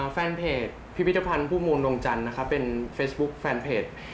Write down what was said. แฟนเพจพี่พิทธิพันธ์ผู้มูลลงจันทร์เป็นเฟสบุ๊คแฟนเพจ